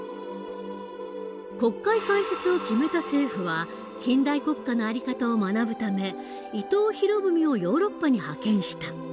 国会開設を決めた政府は近代国家の在り方を学ぶため伊藤博文をヨーロッパに派遣した。